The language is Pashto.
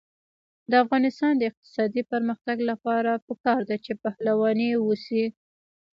د افغانستان د اقتصادي پرمختګ لپاره پکار ده چې پهلواني وشي.